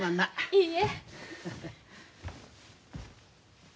いいえ。